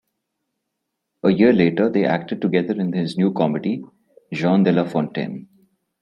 A year later they acted together in his new comedy, "Jean de la Fontaine".